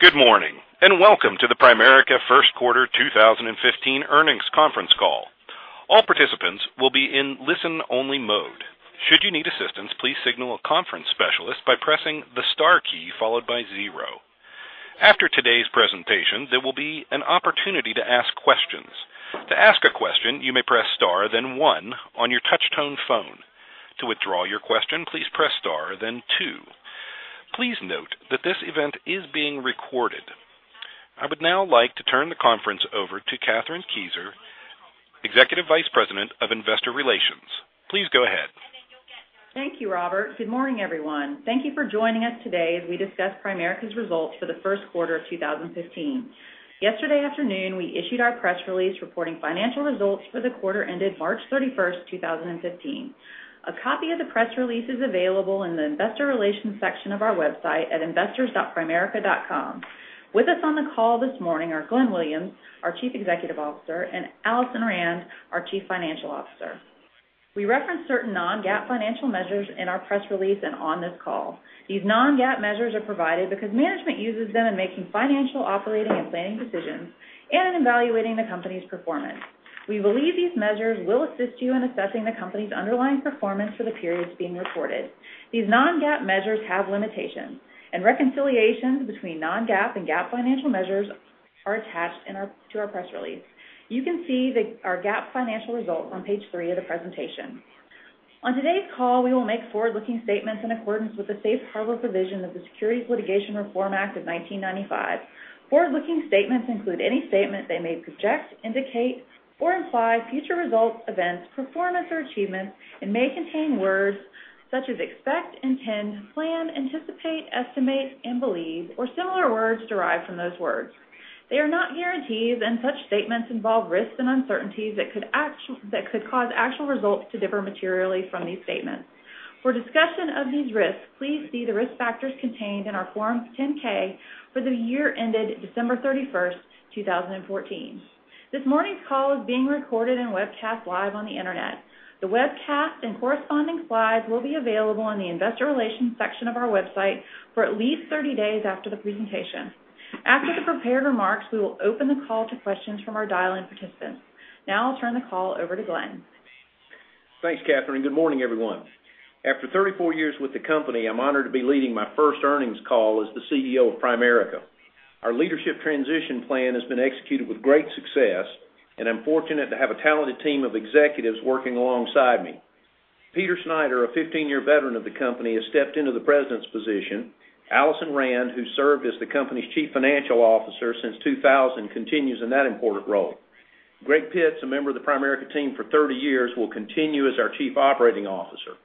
Good morning, and welcome to the Primerica first quarter 2015 earnings conference call. All participants will be in listen only mode. Should you need assistance, please signal a conference specialist by pressing the star key followed by 0. After today's presentation, there will be an opportunity to ask questions. To ask a question, you may press star 1 on your touch tone phone. To withdraw your question, please press star 2. Please note that this event is being recorded. I would now like to turn the conference over to Kathryn Kieser, Executive Vice President of Investor Relations. Please go ahead. Thank you, Robert. Good morning, everyone. Thank you for joining us today as we discuss Primerica's results for the first quarter of 2015. Yesterday afternoon, we issued our press release reporting financial results for the quarter ended March 31st, 2015. A copy of the press release is available in the investor relations section of our website at investors.primerica.com. With us on the call this morning are Glenn Williams, our Chief Executive Officer, and Alison Rand, our Chief Financial Officer. We reference certain non-GAAP financial measures in our press release and on this call. These non-GAAP measures are provided because management uses them in making financial operating and planning decisions and in evaluating the company's performance. We believe these measures will assist you in assessing the company's underlying performance for the periods being reported. These non-GAAP measures have limitations, and reconciliations between non-GAAP and GAAP financial measures are attached to our press release. You can see our GAAP financial results on page three of the presentation. On today's call, we will make forward-looking statements in accordance with the safe harbor provision of the Securities Litigation Reform Act of 1995. Forward-looking statements include any statement that may project, indicate, or imply future results, events, performance, or achievements and may contain words such as expect, intend, plan, anticipate, estimate, and believe, or similar words derived from those words. They are not guarantees, and such statements involve risks and uncertainties that could cause actual results to differ materially from these statements. For discussion of these risks, please see the risk factors contained in our Form 10-K for the year ended December 31st, 2014. This morning's call is being recorded and webcast live on the internet. The webcast and corresponding slides will be available on the investor relations section of our website for at least 30 days after the presentation. After the prepared remarks, we will open the call to questions from our dial-in participants. Now I'll turn the call over to Glenn. Thanks, Kathryn. Good morning, everyone. After 34 years with the company, I'm honored to be leading my first earnings call as the CEO of Primerica. Our leadership transition plan has been executed with great success, and I'm fortunate to have a talented team of executives working alongside me. Peter Schneider, a 15-year veteran of the company, has stepped into the President's position. Alison Rand, who served as the company's Chief Financial Officer since 2000, continues in that important role. Greg Pitts, a member of the Primerica team for 30 years, will continue as our Chief Operating Officer.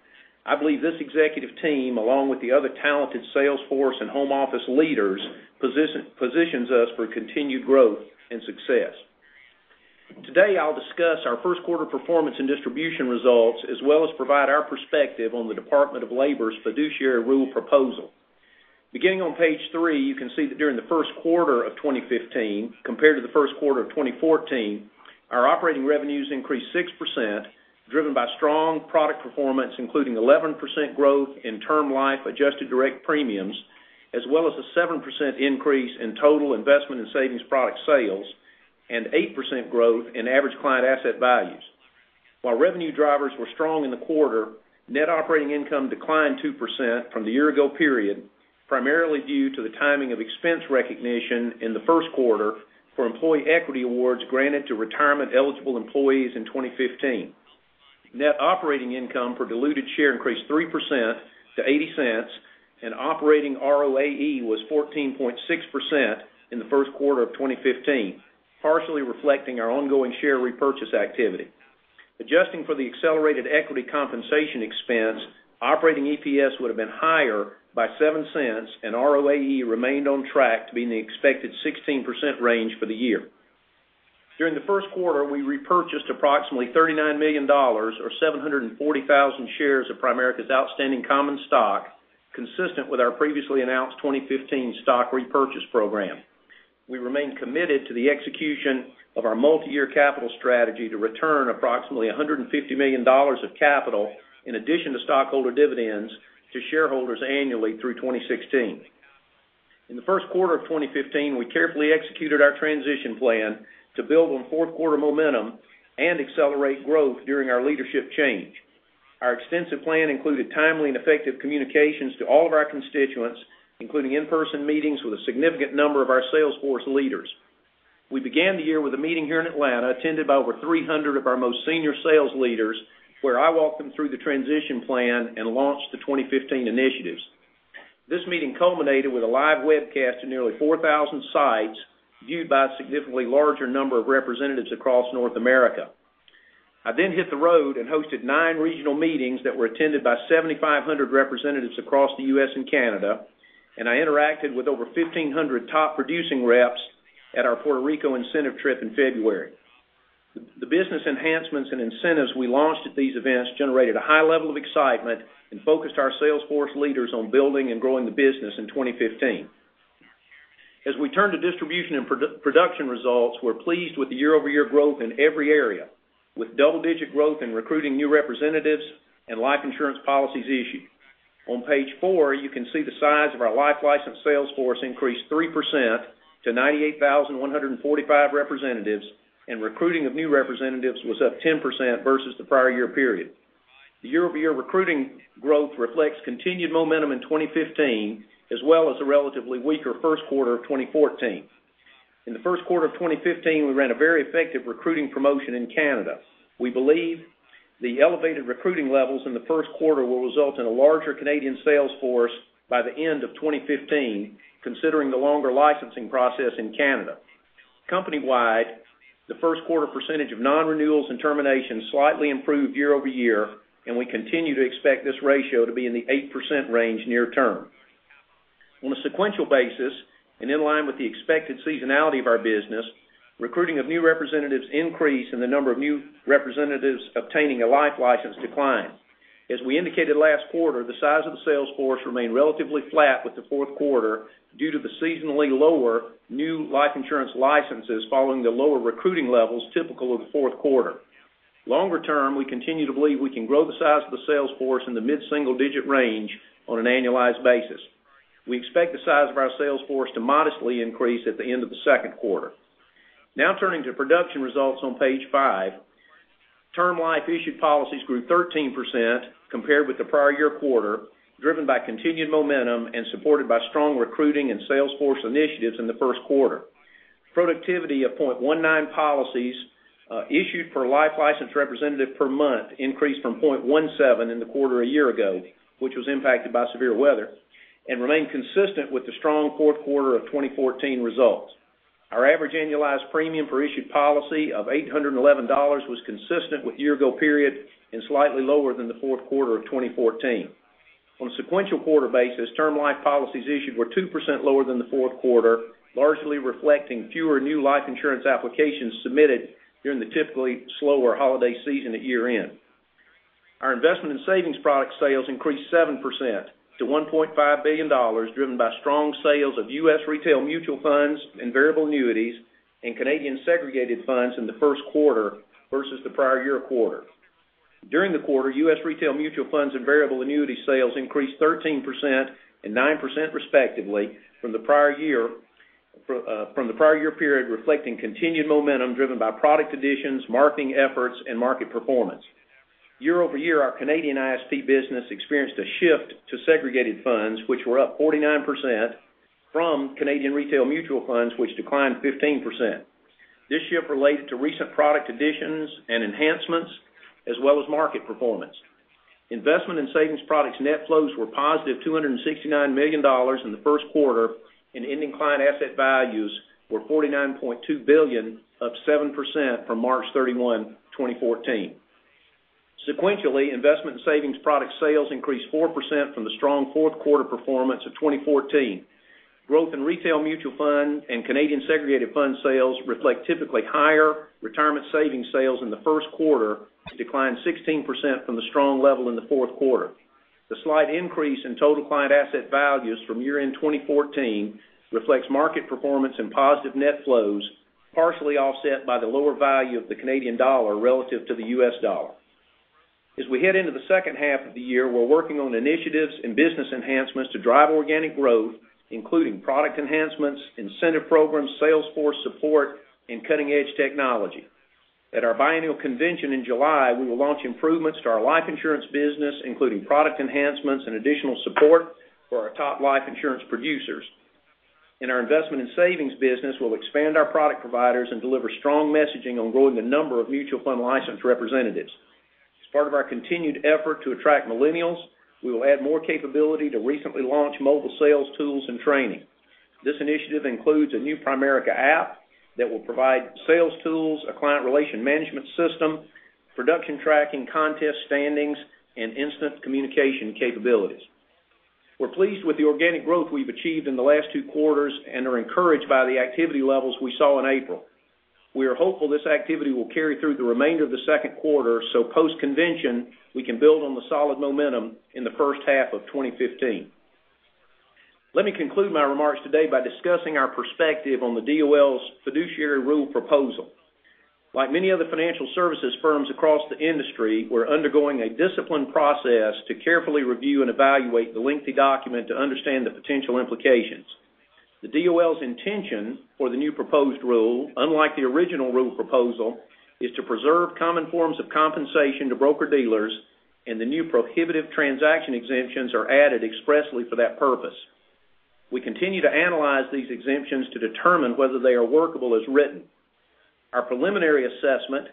I believe this executive team, along with the other talented sales force and home office leaders, positions us for continued growth and success. Today, I'll discuss our first quarter performance and distribution results, as well as provide our perspective on the Department of Labor's fiduciary rule proposal. Beginning on page three, you can see that during the first quarter of 2015, compared to the first quarter of 2014, our operating revenues increased 6%, driven by strong product performance, including 11% growth in Term Life adjusted direct premiums, as well as a 7% increase in total Investment & Savings Products sales, and 8% growth in average client asset values. While revenue drivers were strong in the quarter, net operating income declined 2% from the year ago period, primarily due to the timing of expense recognition in the first quarter for employee equity awards granted to retirement eligible employees in 2015. Net operating income per diluted share increased 3% to $0.80, and operating ROAE was 14.6% in the first quarter of 2015, partially reflecting our ongoing share repurchase activity. Adjusting for the accelerated equity compensation expense, operating EPS would have been higher by $0.07, and ROAE remained on track to be in the expected 16% range for the year. During the first quarter, we repurchased approximately $39 million, or 740,000 shares of Primerica's outstanding common stock, consistent with our previously announced 2015 stock repurchase program. We remain committed to the execution of our multi-year capital strategy to return approximately $150 million of capital, in addition to stockholder dividends, to shareholders annually through 2016. In the first quarter of 2015, we carefully executed our transition plan to build on fourth quarter momentum and accelerate growth during our leadership change. Our extensive plan included timely and effective communications to all of our constituents, including in-person meetings with a significant number of our sales force leaders. We began the year with a meeting here in Atlanta, attended by over 300 of our most senior sales leaders, where I walked them through the transition plan and launched the 2015 initiatives. This meeting culminated with a live webcast to nearly 4,000 sites, viewed by a significantly larger number of representatives across North America. I then hit the road and hosted nine regional meetings that were attended by 7,500 representatives across the U.S. and Canada, and I interacted with over 1,500 top producing reps at our Puerto Rico incentive trip in February. The business enhancements and incentives we launched at these events generated a high level of excitement and focused our sales force leaders on building and growing the business in 2015. As we turn to distribution and production results, we're pleased with the year-over-year growth in every area. With double-digit growth in recruiting new representatives and life insurance policies issued. On page four, you can see the size of our life license sales force increased 3% to 98,145 representatives, and recruiting of new representatives was up 10% versus the prior year period. The year-over-year recruiting growth reflects continued momentum in 2015, as well as a relatively weaker first quarter of 2014. In the first quarter of 2015, we ran a very effective recruiting promotion in Canada. We believe the elevated recruiting levels in the first quarter will result in a larger Canadian sales force by the end of 2015, considering the longer licensing process in Canada. Company-wide, the first quarter percentage of non-renewals and terminations slightly improved year-over-year, and we continue to expect this ratio to be in the 8% range near term. On a sequential basis, in line with the expected seasonality of our business, recruiting of new representatives increased and the number of new representatives obtaining a life license declined. As we indicated last quarter, the size of the sales force remained relatively flat with the fourth quarter due to the seasonally lower new life insurance licenses following the lower recruiting levels typical of the fourth quarter. Longer term, we continue to believe we can grow the size of the sales force in the mid-single digit range on an annualized basis. We expect the size of our sales force to modestly increase at the end of the second quarter. Now turning to production results on page five. Term Life issued policies grew 13% compared with the prior year quarter, driven by continued momentum and supported by strong recruiting and sales force initiatives in the first quarter. Productivity of 0.19 policies issued per life license representative per month increased from 0.17 in the quarter a year ago, which was impacted by severe weather, and remained consistent with the strong fourth quarter of 2014 results. Our average annualized premium per issued policy of $811 was consistent with year-ago period and slightly lower than the fourth quarter of 2014. On a sequential quarter basis, Term Life policies issued were 2% lower than the fourth quarter, largely reflecting fewer new life insurance applications submitted during the typically slower holiday season at year-end. Our Investment & Savings Products sales increased 7% to $1.5 billion, driven by strong sales of U.S. retail Mutual Funds and Variable Annuities and Canadian Segregated Funds in the first quarter versus the prior year quarter. During the quarter, U.S. retail Mutual Funds and Variable Annuity sales increased 13% and 9% respectively from the prior year period, reflecting continued momentum driven by product additions, marketing efforts, and market performance. Year-over-year, our Canadian ISP business experienced a shift to Segregated Funds, which were up 49%, from Canadian retail Mutual Funds, which declined 15%. This shift related to recent product additions and enhancements as well as market performance. Investment & Savings Products net flows were positive $269 million in the first quarter, and ending client asset values were $49.2 billion, up 7% from March 31, 2014. Sequentially, Investment & Savings Products sales increased 4% from the strong fourth quarter performance of 2014. Growth in retail Mutual Fund and Canadian Segregated Fund sales reflect typically higher retirement savings sales in the first quarter declined 16% from the strong level in the fourth quarter. The slight increase in total client asset values from year-end 2014 reflects market performance and positive net flows, partially offset by the lower value of the Canadian dollar relative to the U.S. dollar. As we head into the second half of the year, we're working on initiatives and business enhancements to drive organic growth, including product enhancements, incentive programs, sales force support, and cutting-edge technology. At our biannual convention in July, we will launch improvements to our life insurance business, including product enhancements and additional support for our top life insurance producers. In our Investment & Savings Products business, we'll expand our product providers and deliver strong messaging on growing the number of Mutual Fund licensed representatives. As part of our continued effort to attract millennials, we will add more capability to recently launched mobile sales tools and training. This initiative includes a new Primerica app that will provide sales tools, a client relation management system, production tracking, contest standings, and instant communication capabilities. We're pleased with the organic growth we've achieved in the last two quarters and are encouraged by the activity levels we saw in April. We are hopeful this activity will carry through the remainder of the second quarter, so post-convention, we can build on the solid momentum in the first half of 2015. Let me conclude my remarks today by discussing our perspective on the DOL's fiduciary rule proposal. Like many other financial services firms across the industry, we're undergoing a disciplined process to carefully review and evaluate the lengthy document to understand the potential implications. The DOL's intention for the new proposed rule, unlike the original rule proposal, is to preserve common forms of compensation to broker-dealers, and the new prohibitive transaction exemptions are added expressly for that purpose. We continue to analyze these exemptions to determine whether they are workable as written. Our preliminary assessment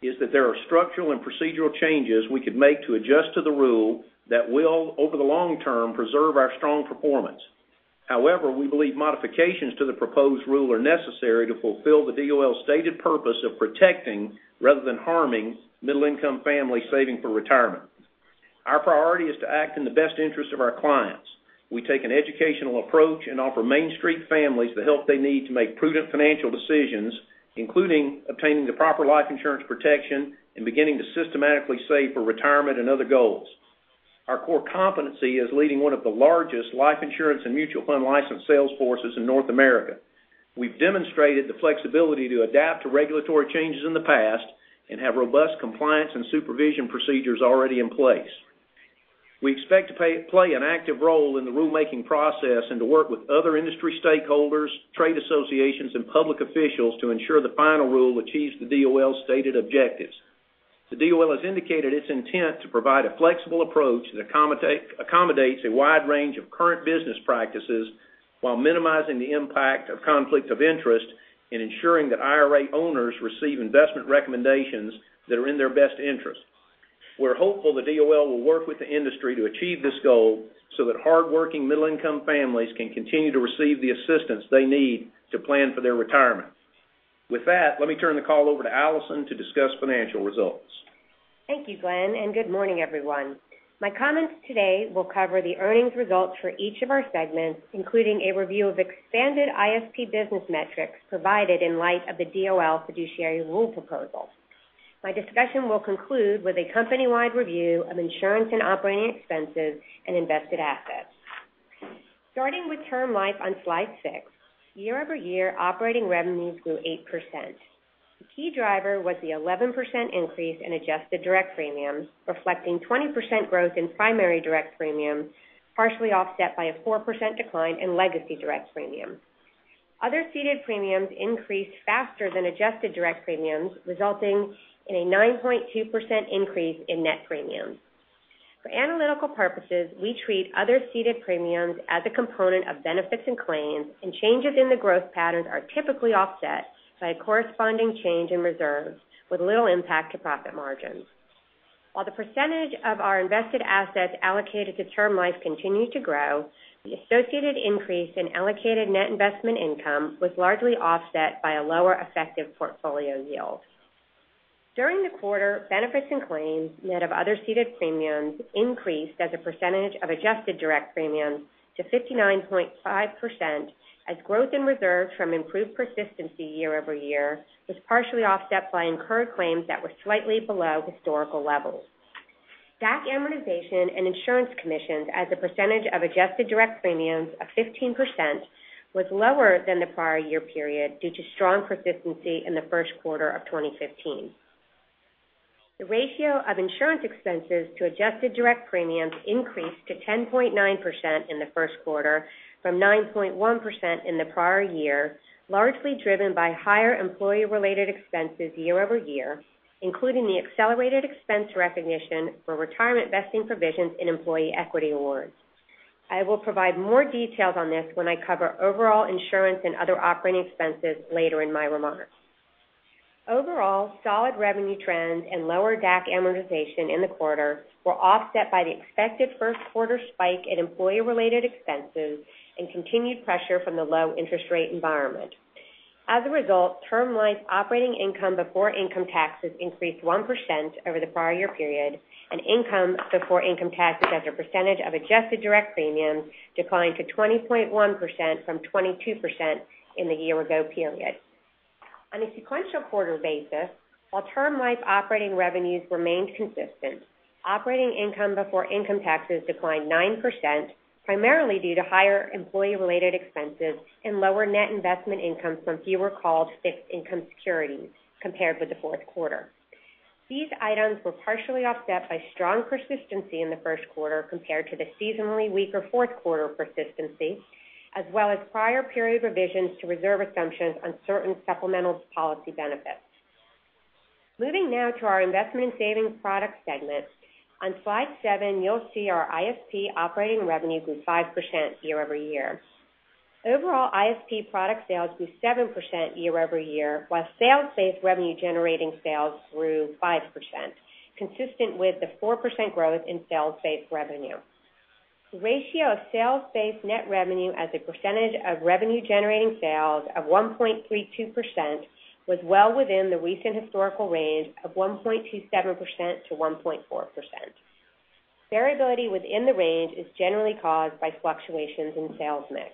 is that there are structural and procedural changes we could make to adjust to the rule that will, over the long term, preserve our strong performance. However, we believe modifications to the proposed rule are necessary to fulfill the DOL's stated purpose of protecting rather than harming middle-income families saving for retirement. Our priority is to act in the best interest of our clients. We take an educational approach and offer Main Street families the help they need to make prudent financial decisions, including obtaining the proper life insurance protection and beginning to systematically save for retirement and other goals. Our core competency is leading one of the largest life insurance and Mutual Fund licensed sales forces in North America. We've demonstrated the flexibility to adapt to regulatory changes in the past and have robust compliance and supervision procedures already in place. We expect to play an active role in the rulemaking process and to work with other industry stakeholders, trade associations, and public officials to ensure the final rule achieves the DOL's stated objectives. The DOL has indicated its intent to provide a flexible approach that accommodates a wide range of current business practices while minimizing the impact of conflict of interest in ensuring that IRA owners receive investment recommendations that are in their best interest. We're hopeful the DOL will work with the industry to achieve this goal so that hardworking middle-income families can continue to receive the assistance they need to plan for their retirement. With that, let me turn the call over to Alison to discuss financial results. Thank you, Glenn. Good morning, everyone. My comments today will cover the earnings results for each of our segments, including a review of expanded ISP business metrics provided in light of the DOL fiduciary rule proposal. My discussion will conclude with a company-wide review of insurance and operating expenses and invested assets. Starting with Term Life on slide six, year-over-year operating revenues grew 8%. The key driver was the 11% increase in adjusted direct premiums, reflecting 20% growth in primary direct premiums, partially offset by a 4% decline in legacy direct premiums. Other ceded premiums increased faster than adjusted direct premiums, resulting in a 9.2% increase in net premiums. For analytical purposes, we treat other ceded premiums as a component of benefits and claims, and changes in the growth patterns are typically offset by a corresponding change in reserves with little impact to profit margins. While the percentage of our invested assets allocated to Term Life continued to grow, the associated increase in allocated net investment income was largely offset by a lower effective portfolio yield. During the quarter, benefits and claims, net of other ceded premiums, increased as a percentage of adjusted direct premiums to 59.5% as growth in reserves from improved persistency year-over-year was partially offset by incurred claims that were slightly below historical levels. DAC amortization and insurance commissions as a percentage of adjusted direct premiums of 15% was lower than the prior year period due to strong persistency in the first quarter of 2015. The ratio of insurance expenses to adjusted direct premiums increased to 10.9% in the first quarter from 9.1% in the prior year, largely driven by higher employee-related expenses year-over-year, including the accelerated expense recognition for retirement vesting provisions in employee equity awards. I will provide more details on this when I cover overall insurance and other operating expenses later in my remarks. Overall, solid revenue trends and lower DAC amortization in the quarter were offset by the expected first quarter spike in employee-related expenses and continued pressure from the low interest rate environment. As a result, Term Life operating income before income taxes increased 1% over the prior year period and income before income taxes as a percentage of adjusted direct premiums declined to 20.1% from 22% in the year ago period. On a sequential quarter basis, while Term Life operating revenues remained consistent, operating income before income taxes declined 9%, primarily due to higher employee-related expenses and lower net investment income from fewer called fixed income securities compared with the fourth quarter. These items were partially offset by strong persistency in the first quarter compared to the seasonally weaker fourth quarter persistency, as well as prior period revisions to reserve assumptions on certain supplemental policy benefits. Moving now to our Investment & Savings Products segment. On slide seven, you'll see our ISP operating revenue grew 5% year-over-year. Overall, ISP product sales grew 7% year-over-year, while sales-based revenue generating sales grew 5%, consistent with the 4% growth in sales-based revenue. The ratio of sales-based net revenue as a percentage of revenue generating sales of 1.32% was well within the recent historical range of 1.27%-1.4%. Variability within the range is generally caused by fluctuations in sales mix.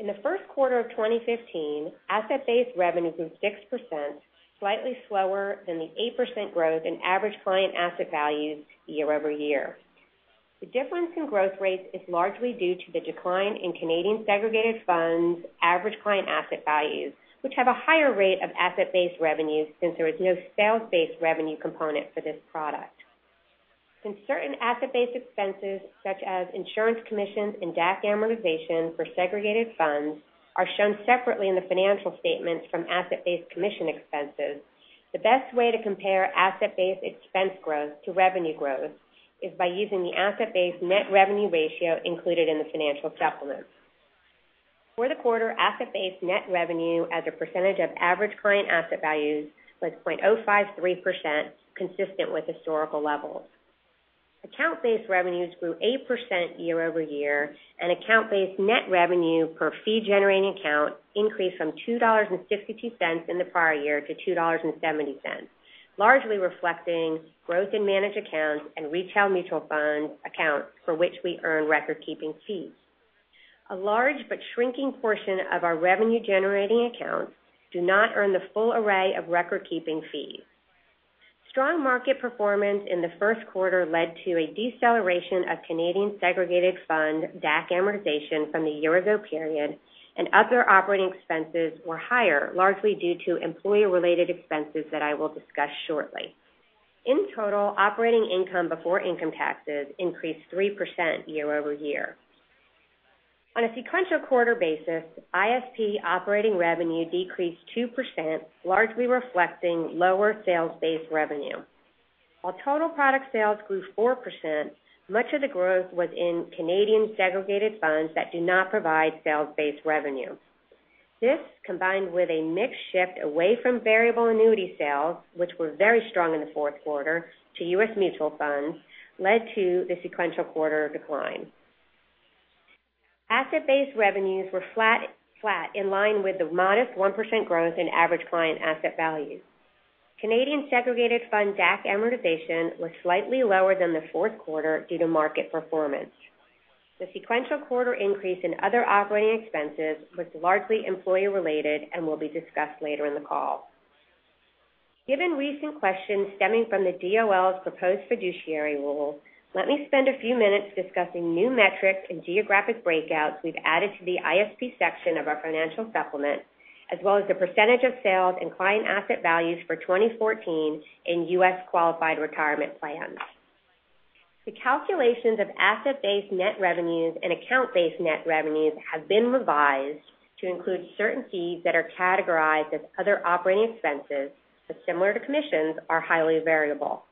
In the first quarter of 2015, asset-based revenue grew 6%, slightly slower than the 8% growth in average client asset values year-over-year. The difference in growth rates is largely due to the decline in Canadian Segregated Funds average client asset values, which have a higher rate of asset-based revenues since there is no sales-based revenue component for this product. Since certain asset-based expenses, such as insurance commissions and DAC amortization for Segregated Funds, are shown separately in the financial statements from asset-based commission expenses, the best way to compare asset-based expense growth to revenue growth is by using the asset-based net revenue ratio included in the financial supplements. For the quarter, asset-based net revenue as a percentage of average client asset values was 0.053%, consistent with historical levels. Account-based revenues grew 8% year-over-year, and account-based net revenue per fee-generating account increased from $2.52 in the prior year to $2.70, largely reflecting growth in Managed Accounts and retail Mutual Fund accounts for which we earn record-keeping fees. A large but shrinking portion of our revenue-generating accounts do not earn the full array of record-keeping fees. Strong market performance in the first quarter led to a deceleration of Canadian Segregated Fund DAC amortization from the year-ago period, and other operating expenses were higher, largely due to employee-related expenses that I will discuss shortly. In total, operating income before income taxes increased 3% year-over-year. On a sequential quarter basis, ISP operating revenue decreased 2%, largely reflecting lower sales-based revenue. While total product sales grew 4%, much of the growth was in Canadian Segregated Funds that do not provide sales-based revenue. This, combined with a mix shift away from Variable Annuity sales, which were very strong in the fourth quarter, to U.S. Mutual Funds, led to the sequential quarter decline. Asset-based revenues were flat, in line with the modest 1% growth in average client asset value. Canadian Segregated Fund DAC amortization was slightly lower than the fourth quarter due to market performance. The sequential quarter increase in other operating expenses was largely employee-related and will be discussed later in the call. Given recent questions stemming from the DOL's proposed fiduciary rule, let me spend a few minutes discussing new metrics and geographic breakouts we've added to the ISP section of our financial supplement, as well as the percentage of sales and client asset values for 2014 in U.S. qualified retirement plans. The calculations of asset-based net revenues and account-based net revenues have been revised to include certain fees that are categorized as other operating expenses but, similar to commissions, are highly variable.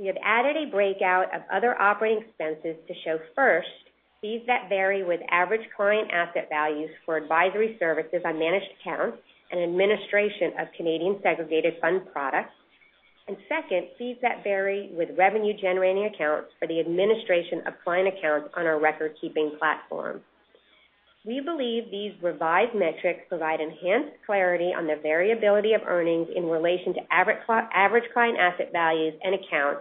We have added a breakout of other operating expenses to show, first, fees that vary with average client asset values for advisory services on Managed Accounts and administration of Canadian Segregated Fund products. Second, fees that vary with revenue-generating accounts for the administration of client accounts on our record-keeping platform. We believe these revised metrics provide enhanced clarity on the variability of earnings in relation to average client asset values and accounts,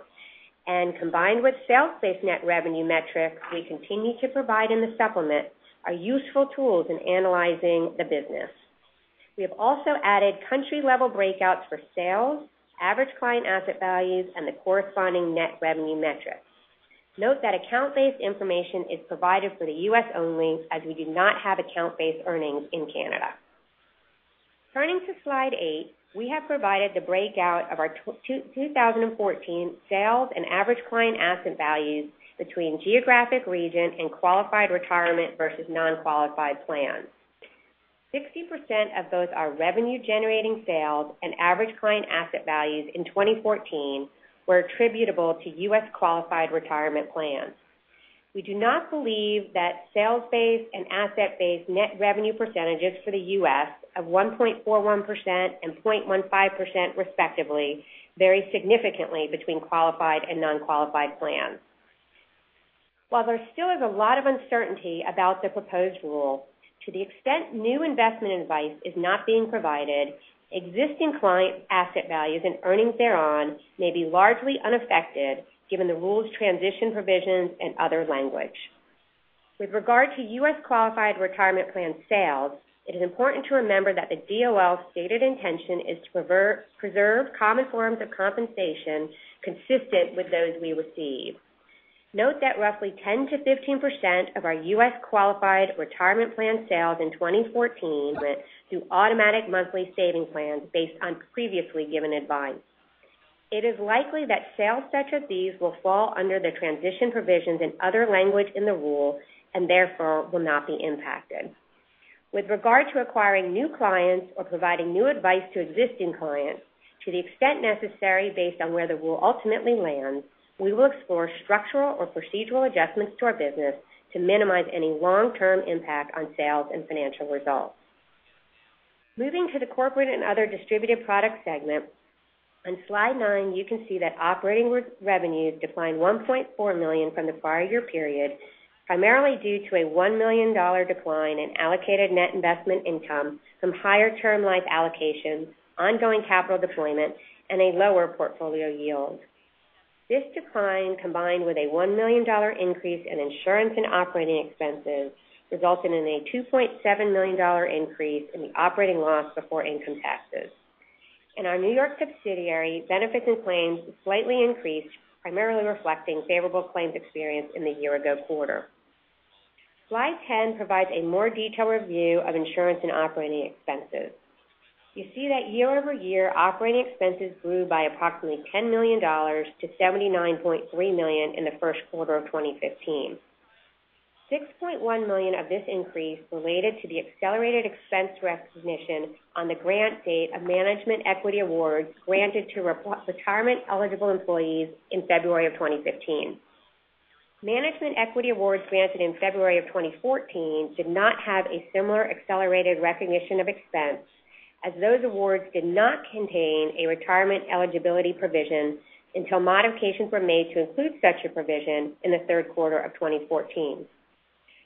and combined with sales-based net revenue metrics we continue to provide in the supplement, are useful tools in analyzing the business. We have also added country-level breakouts for sales, average client asset values, and the corresponding net revenue metrics. Note that account-based information is provided for the U.S. only, as we do not have account-based earnings in Canada. Turning to slide eight, we have provided the breakout of our 2014 sales and average client asset values between geographic region and qualified retirement versus non-qualified plans. 60% of both our revenue-generating sales and average client asset values in 2014 were attributable to U.S. qualified retirement plans. We do not believe that sales-based and asset-based net revenue percentages for the U.S. of 1.41% and 0.15%, respectively, vary significantly between qualified and non-qualified plans. While there still is a lot of uncertainty about the proposed rule, to the extent new investment advice is not being provided, existing client asset values and earnings thereon may be largely unaffected, given the rule's transition provisions and other language. With regard to U.S. qualified retirement plan sales, it is important to remember that the DOL's stated intention is to preserve common forms of compensation consistent with those we receive. Note that roughly 10%-15% of our U.S. qualified retirement plan sales in 2014 went through automatic monthly saving plans based on previously given advice. It is likely that sales such as these will fall under the transition provisions and other language in the rule, and therefore will not be impacted. With regard to acquiring new clients or providing new advice to existing clients, to the extent necessary based on where the rule ultimately lands, we will explore structural or procedural adjustments to our business to minimize any long-term impact on sales and financial results. Moving to the corporate and other distributed products segment, on slide nine, you can see that operating revenues declined $1.4 million from the prior year period, primarily due to a $1 million decline in allocated net investment income from higher Term Life allocations, ongoing capital deployment, and a lower portfolio yield. This decline, combined with a $1 million increase in insurance and operating expenses, resulted in a $2.7 million increase in the operating loss before income taxes. In our N.Y. subsidiary, benefits and claims slightly increased, primarily reflecting favorable claims experience in the year-ago quarter. Slide 10 provides a more detailed review of insurance and operating expenses. You see that year-over-year operating expenses grew by approximately $10 million to $79.3 million in the first quarter of 2015. $6.1 million of this increase related to the accelerated expense recognition on the grant date of management equity awards granted to retirement-eligible employees in February of 2015. Management equity awards granted in February of 2014 did not have a similar accelerated recognition of expense, as those awards did not contain a retirement eligibility provision until modifications were made to include such a provision in the third quarter of 2014.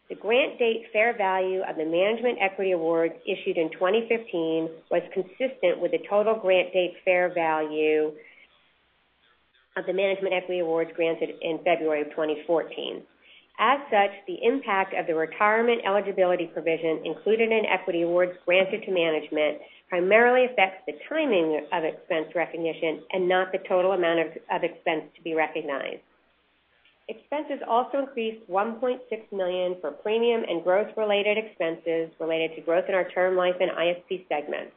The grant date fair value of the management equity awards issued in 2015 was consistent with the total grant date fair value of the management equity awards granted in February of 2014. As such, the impact of the retirement eligibility provision included in equity awards granted to management primarily affects the timing of expense recognition and not the total amount of expense to be recognized. Expenses also increased $1.6 million for premium and growth-related expenses related to growth in our Term Life and ISP segments.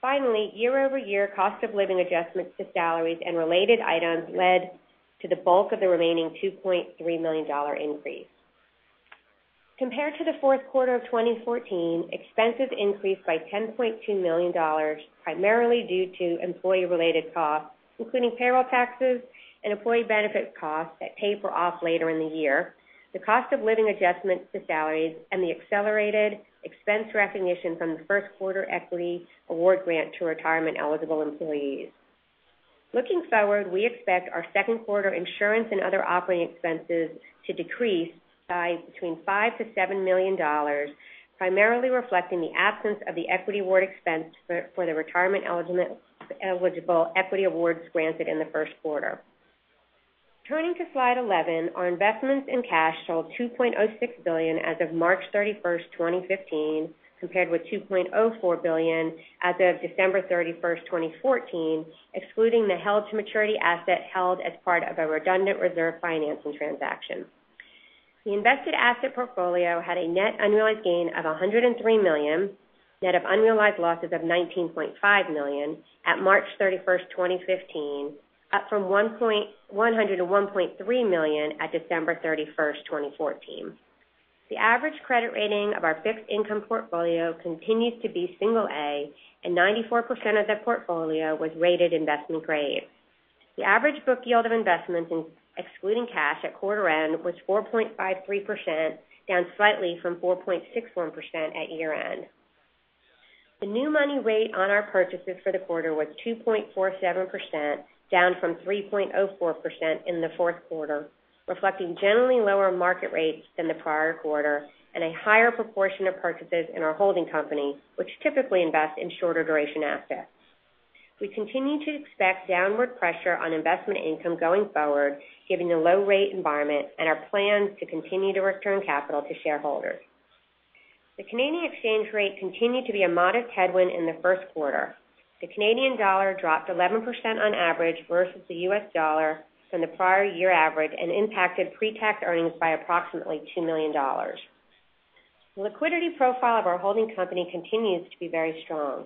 Finally, year-over-year cost of living adjustments to salaries and related items led to the bulk of the remaining $2.3 million increase. Compared to the fourth quarter of 2014, expenses increased by $10.2 million, primarily due to employee-related costs, including payroll taxes and employee benefit costs that taper off later in the year, the cost of living adjustment to salaries, and the accelerated expense recognition from the first quarter equity award grant to retirement-eligible employees. Looking forward, we expect our second quarter insurance and other operating expenses to decrease by between $5 million-$7 million, primarily reflecting the absence of the equity award expense for the retirement-eligible equity awards granted in the first quarter. Turning to slide 11, our investments in cash show $2.06 billion as of March 31st, 2015, compared with $2.04 billion as of December 31st, 2014, excluding the held to maturity asset held as part of a redundant reserve financing transaction. The invested asset portfolio had a net unrealized gain of $103 million, net of unrealized losses of $19.5 million at March 31st, 2015, up from $101.3 million at December 31st, 2014. The average credit rating of our fixed income portfolio continues to be single A, and 94% of that portfolio was rated investment grade. The average book yield of investments, excluding cash at quarter end, was 4.53%, down slightly from 4.61% at year-end. The new money rate on our purchases for the quarter was 2.47%, down from 3.04% in the fourth quarter, reflecting generally lower market rates than the prior quarter and a higher proportion of purchases in our holding company, which typically invest in shorter duration assets. We continue to expect downward pressure on investment income going forward, given the low rate environment and our plans to continue to return capital to shareholders. The Canadian exchange rate continued to be a modest headwind in the first quarter. The Canadian dollar dropped 11% on average versus the U.S. dollar from the prior year average and impacted pre-tax earnings by approximately $2 million. The liquidity profile of our holding company continues to be very strong.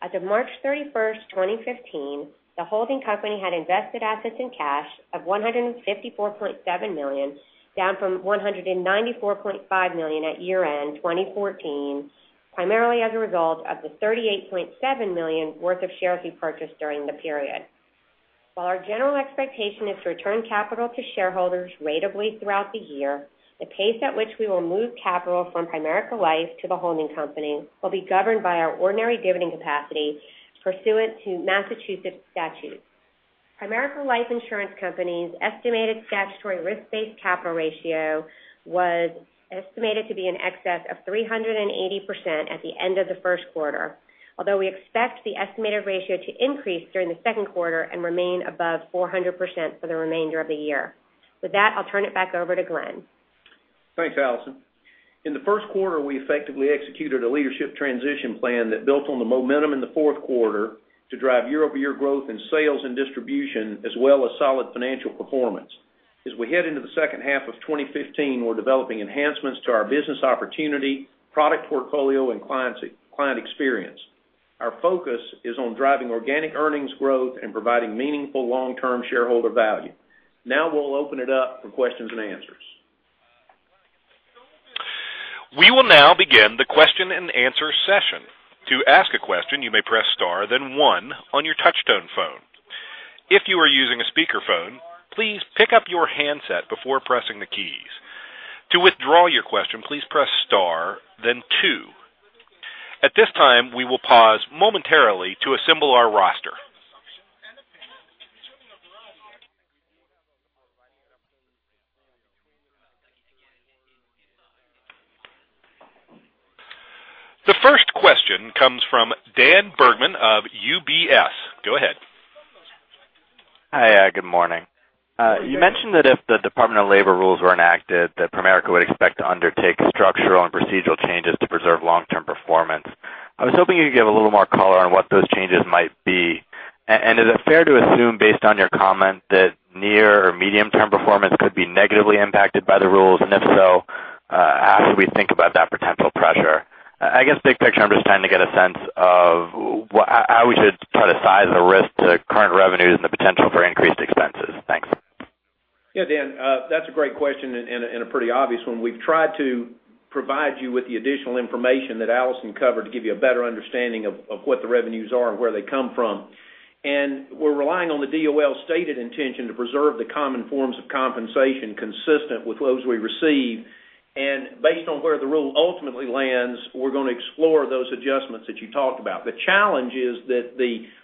As of March 31st, 2015, the holding company had invested assets in cash of $154.7 million, down from $194.5 million at year-end 2014, primarily as a result of the $38.7 million worth of shares we purchased during the period. While our general expectation is to return capital to shareholders ratably throughout the year, the pace at which we will move capital from Primerica Life to the holding company will be governed by our ordinary dividend capacity pursuant to Massachusetts statute. Primerica Life Insurance Company's estimated statutory risk-based capital ratio was estimated to be in excess of 380% at the end of the first quarter, although we expect the estimated ratio to increase during the second quarter and remain above 400% for the remainder of the year. With that, I'll turn it back over to Glenn. Thanks, Alison. In the first quarter, we effectively executed a leadership transition plan that built on the momentum in the fourth quarter to drive year-over-year growth in sales and distribution, as well as solid financial performance. As we head into the second half of 2015, we're developing enhancements to our business opportunity, product portfolio, and client experience. Our focus is on driving organic earnings growth and providing meaningful long-term shareholder value. Now we'll open it up for questions and answers. We will now begin the question and answer session. To ask a question, you may press star then one on your touchtone phone. If you are using a speakerphone, please pick up your handset before pressing the keys. To withdraw your question, please press star then two. At this time, we will pause momentarily to assemble our roster. The first question comes from Daniel Bergman of UBS. Go ahead. Hi. Good morning. You mentioned that if the Department of Labor rules were enacted, that Primerica would expect to undertake structural and procedural changes to preserve long-term performance. I was hoping you could give a little more color on what those changes might be. Is it fair to assume, based on your comment, that near or medium-term performance could be negatively impacted by the rules? If so, how should we think about that potential pressure? I guess, big picture, I'm just trying to get a sense of how we should try to size the risk to current revenues and the potential for increased expenses. Thanks. Yeah, Dan, that's a great question and a pretty obvious one. We've tried to provide you with the additional information that Alison covered to give you a better understanding of what the revenues are and where they come from. We're relying on the DOL's stated intention to preserve the common forms of compensation consistent with those we receive. Based on where the rule ultimately lands, we're going to explore those adjustments that you talked about. The challenge is that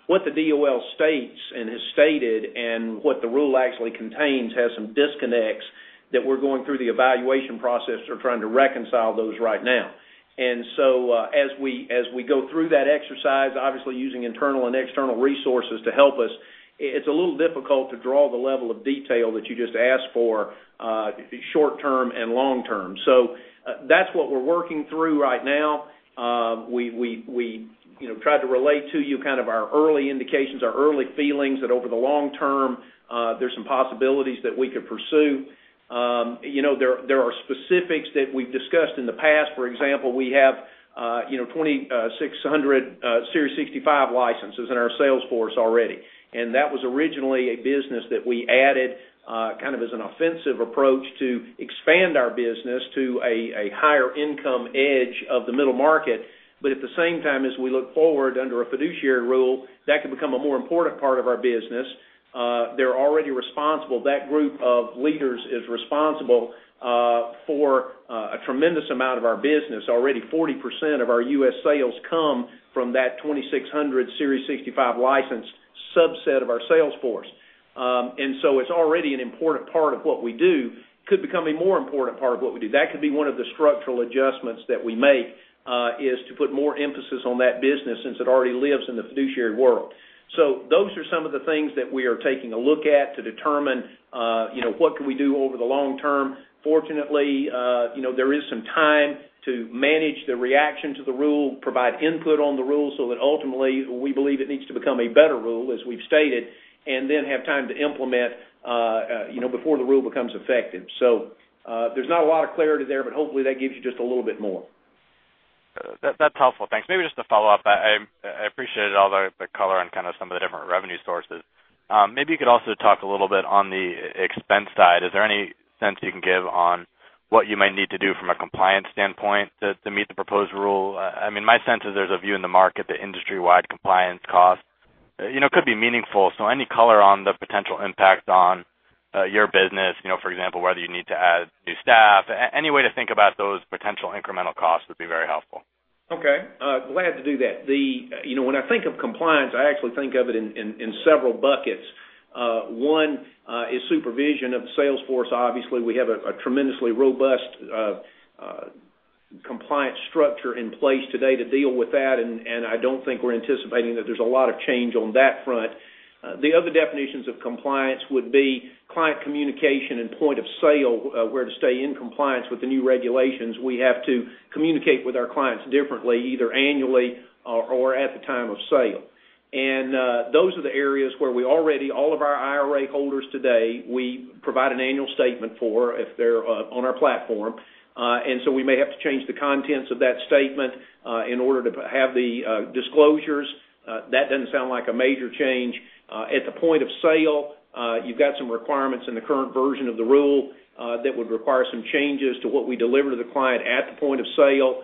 what the DOL states and has stated and what the rule actually contains has some disconnects that we're going through the evaluation process or trying to reconcile those right now. So as we go through that exercise, obviously using internal and external resources to help us, it's a little difficult to draw the level of detail that you just asked for, short-term and long-term. That's what we're working through right now. We tried to relate to you our early indications, our early feelings, that over the long term there's some possibilities that we could pursue. There are specifics that we've discussed in the past. For example, we have 2,600 Series 65 licenses in our sales force already, and that was originally a business that we added as an offensive approach to expand our business to a higher income edge of the middle market. At the same time, as we look forward under a fiduciary rule, that could become a more important part of our business. They're already responsible. That group of leaders is responsible for a tremendous amount of our business. Already 40% of our U.S. sales come from that 2,600 Series 65 license subset of our sales force. It's already an important part of what we do, could become a more important part of what we do. That could be one of the structural adjustments that we make, is to put more emphasis on that business since it already lives in the fiduciary world. Those are some of the things that we are taking a look at to determine what could we do over the long term. Fortunately, there is some time to manage the reaction to the rule, provide input on the rule so that ultimately we believe it needs to become a better rule, as we've stated, and then have time to implement before the rule becomes effective. There's not a lot of clarity there, but hopefully that gives you just a little bit more. That's helpful. Thanks. Maybe just to follow up, I appreciated all the color on some of the different revenue sources. Maybe you could also talk a little bit on the expense side. Is there any sense you can give on what you might need to do from a compliance standpoint to meet the proposed rule? My sense is there's a view in the market, the industry-wide compliance cost could be meaningful. Any color on the potential impact on your business, for example, whether you need to add new staff. Any way to think about those potential incremental costs would be very helpful. Okay. Glad to do that. When I think of compliance, I actually think of it in several buckets. One is supervision of the sales force. Obviously, we have a tremendously robust compliance structure in place today to deal with that, and I don't think we're anticipating that there's a lot of change on that front. The other definitions of compliance would be client communication and point of sale, where to stay in compliance with the new regulations. We have to communicate with our clients differently, either annually or at the time of sale. Those are the areas where we already, all of our IRA holders today, we provide an annual statement for if they're on our platform. We may have to change the contents of that statement in order to have the disclosures. That doesn't sound like a major change. At the point of sale, you've got some requirements in the current version of the rule that would require some changes to what we deliver to the client at the point of sale.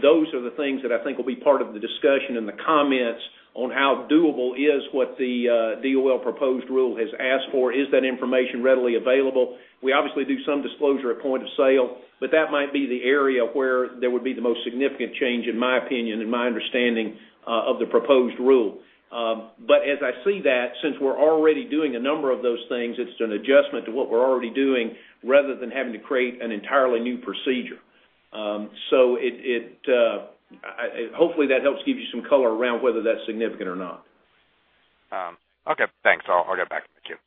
Those are the things that I think will be part of the discussion in the comments on how doable is what the DOL proposed rule has asked for. Is that information readily available? We obviously do some disclosure at point of sale, but that might be the area where there would be the most significant change, in my opinion, and my understanding of the proposed rule. As I see that, since we're already doing a number of those things, it's an adjustment to what we're already doing rather than having to create an entirely new procedure. Hopefully that helps give you some color around whether that's significant or not. Okay, thanks. I'll get back to the queue.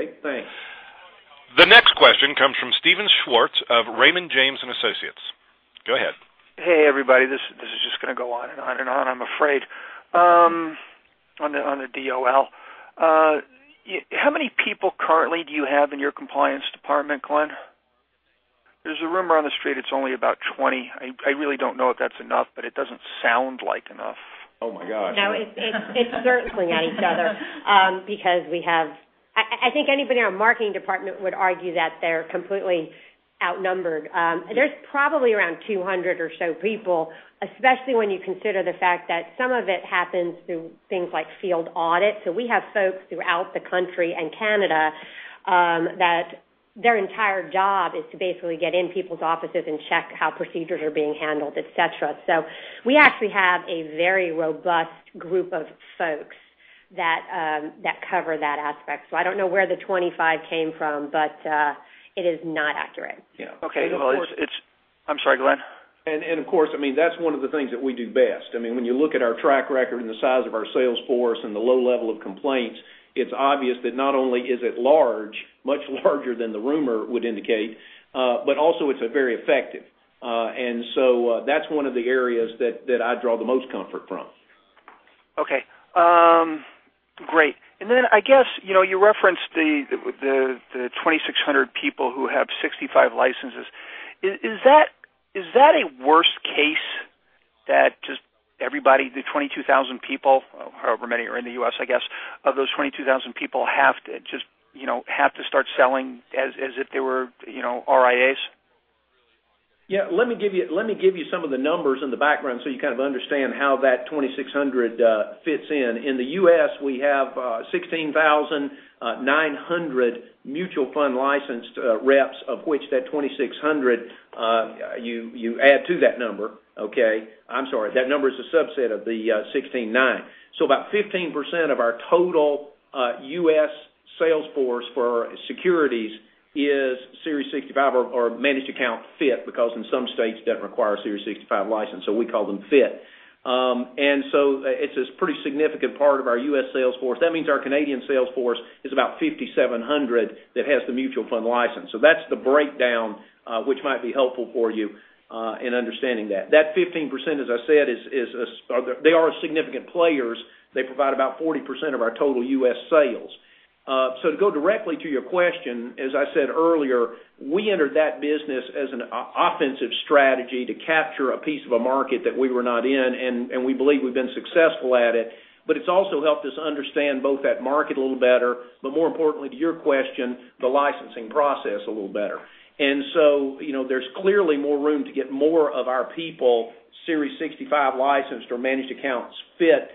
Okay, thanks. The next question comes from Steven Schwartz of Raymond James & Associates. Go ahead. Hey, everybody. This is just going to go on and on and on, I'm afraid. On the DOL. How many people currently do you have in your compliance department, Glenn? There's a rumor on the street it's only about 20. I really don't know if that's enough, but it doesn't sound like enough. Oh my gosh. No, it's circling on each other. I think anybody in our marketing department would argue that they're completely outnumbered. There's probably around 200 or so people, especially when you consider the fact that some of it happens through things like field audits. We have folks throughout the country and Canada that their entire job is to basically get in people's offices and check how procedures are being handled, et cetera. We actually have a very robust group of folks that cover that aspect. I don't know where the 25 came from, but it is not accurate. Yeah. Okay. I'm sorry, Glenn. Of course, that's one of the things that we do best. When you look at our track record and the size of our sales force and the low level of complaints, it's obvious that not only is it large, much larger than the rumor would indicate, but also it's very effective. So that's one of the areas that I draw the most comfort from. Okay. Great. Then, I guess, you referenced the 2,600 people who have Series 65 licenses. Is that a worst case that just everybody, the 22,000 people, however many are in the U.S., I guess, of those 22,000 people have to start selling as if they were RIAs? Yeah, let me give you some of the numbers in the background so you kind of understand how that 2,600 fits in. In the U.S., we have 16,900 mutual fund licensed reps, of which that 2,600, you add to that number, okay? I'm sorry. That number is a subset of the 16,900. About 15% of our total U.S. sales force for securities is Series 65 or managed account fit, because in some states they don't require a Series 65 license, so we call them fit. It's a pretty significant part of our U.S. sales force. That means our Canadian sales force is about 5,700 that has the mutual fund license. That's the breakdown, which might be helpful for you in understanding that. That 15%, as I said, they are significant players. They provide about 40% of our total U.S. sales. To go directly to your question, as I said earlier, we entered that business as an offensive strategy to capture a piece of a market that we were not in, and we believe we've been successful at it. It's also helped us understand both that market a little better, but more importantly to your question, the licensing process a little better. There's clearly more room to get more of our people Series 65 licensed or managed accounts fit,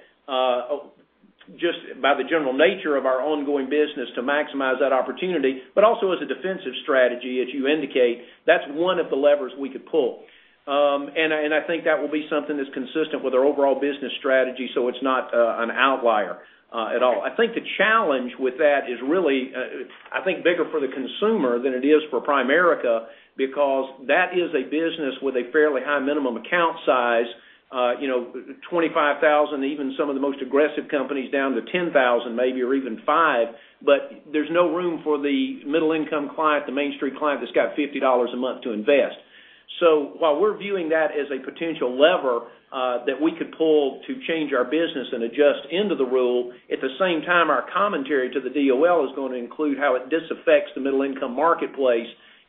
just by the general nature of our ongoing business to maximize that opportunity, but also as a defensive strategy, as you indicate, that's one of the levers we could pull. I think that will be something that's consistent with our overall business strategy, so it's not an outlier at all. I think the challenge with that is really bigger for Primerica than it is for Primerica, because that is a business with a fairly high minimum account size, $25,000, even some of the most aggressive companies down to $10,000 maybe or even five, but there's no room for the middle-income client, the Main Street client that's got $50 a month to invest. While we're viewing that as a potential lever that we could pull to change our business and adjust into the rule, at the same time, our commentary to the DOL is going to include how it disaffects the middle-income marketplace.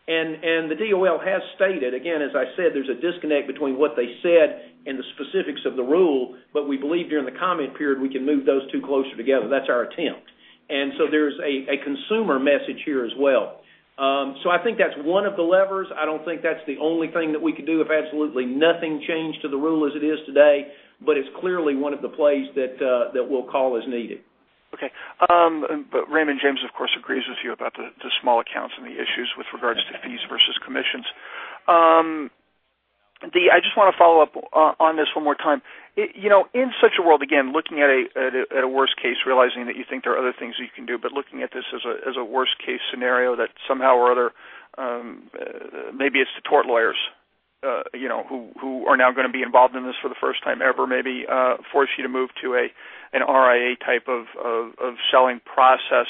The DOL has stated, again, as I said, there's a disconnect between what they said and the specifics of the rule, but we believe during the comment period, we can move those two closer together. That's our attempt. There's a consumer message here as well. I think that's one of the levers. I don't think that's the only thing that we could do if absolutely nothing changed to the rule as it is today, but it's clearly one of the plays that we'll call as needed. Okay. Raymond James, of course, agrees with you about the small accounts and the issues with regards to fees versus commissions. Dee, I just want to follow up on this one more time. In such a world, again, looking at a worst case, realizing that you think there are other things that you can do, but looking at this as a worst-case scenario that somehow or other, maybe it's the tort lawyers who are now going to be involved in this for the first time ever, maybe force you to move to an RIA type of selling process.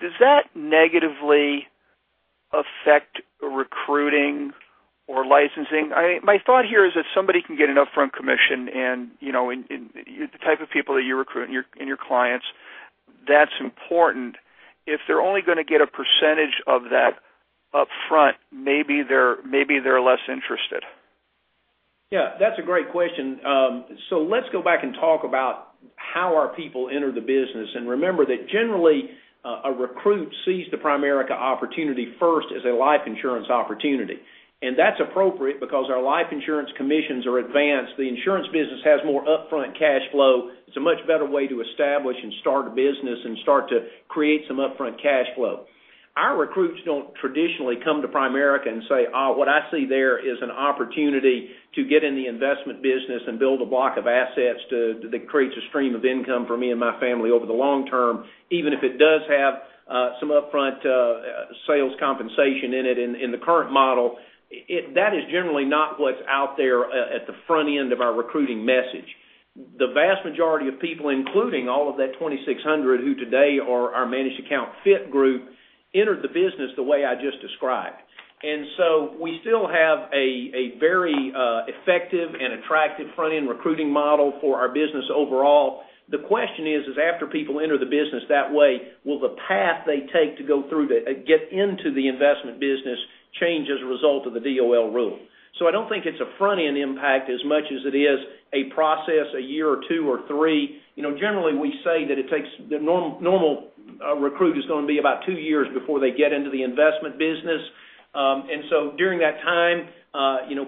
Does that negatively affect recruiting or licensing? My thought here is if somebody can get an upfront commission and the type of people that you recruit and your clients, that's important. If they're only going to get a percentage of that upfront, maybe they're less interested. Yeah, that's a great question. Let's go back and talk about how our people enter the business, and remember that generally, a recruit sees the Primerica opportunity first as a life insurance opportunity. That's appropriate because our life insurance commissions are advanced. The insurance business has more upfront cash flow. It's a much better way to establish and start a business and start to create some upfront cash flow. Our recruits don't traditionally come to Primerica and say, "What I see there is an opportunity to get in the investment business and build a block of assets that creates a stream of income for me and my family over the long term," even if it does have some upfront sales compensation in it in the current model. That is generally not what's out there at the front end of our recruiting message. The vast majority of people, including all of that 2,600 who today are our Managed Accounts fit group, entered the business the way I just described. We still have a very effective and attractive front-end recruiting model for our business overall. The question is: after people enter the business that way, will the path they take to get into the investment business change as a result of the DOL rule? I don't think it's a front-end impact as much as it is a process, a year or two or three. Generally, we say that a normal recruit is going to be about two years before they get into the investment business. During that time,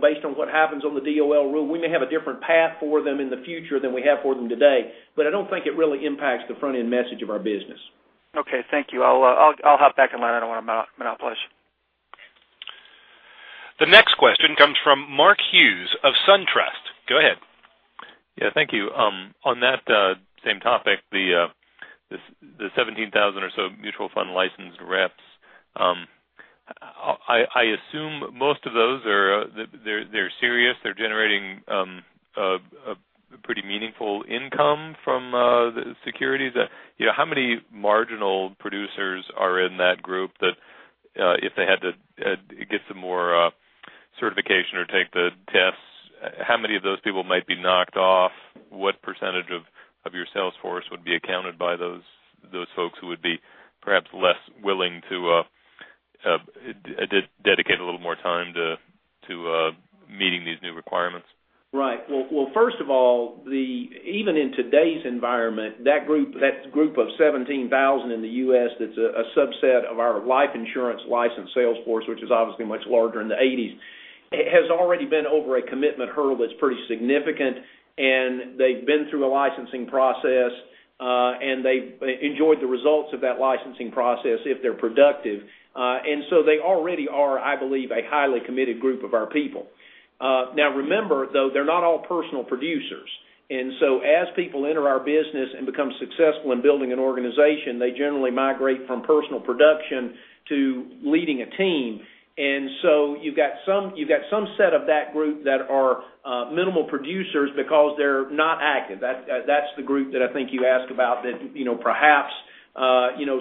based on what happens on the DOL rule, we may have a different path for them in the future than we have for them today. I don't think it really impacts the front-end message of our business. Okay. Thank you. I'll hop back in line. I don't want to monopolize you. The next question comes from Mark Hughes of SunTrust. Go ahead. Thank you. On that same topic, the 17,000 or so Mutual Fund licensed reps, I assume most of those are serious? They're generating a pretty meaningful income from the securities. How many marginal producers are in that group that if they had to get some more certification or take the tests, how many of those people might be knocked off? What percentage of your sales force would be accounted by those folks who would be perhaps less willing to dedicate a little more time to meeting these new requirements? Well, first of all, even in today's environment, that group of 17,000 in the U.S., that's a subset of our life insurance licensed sales force, which is obviously much larger in the 80s. It has already been over a commitment hurdle that's pretty significant. They've been through a licensing process. They enjoyed the results of that licensing process if they're productive. They already are, I believe, a highly committed group of our people. Now remember, though, they're not all personal producers. As people enter our business and become successful in building an organization, they generally migrate from personal production to leading a team. You've got some set of that group that are minimal producers because they're not active. That's the group that I think you asked about that perhaps